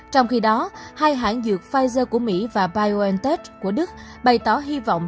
trong khi đó hai hãng dược pfizer của mỹ và biontech của đức bày tỏ hy vọng